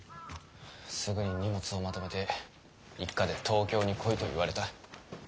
すぐに荷物をまとめて一家で東京に来いと言われた。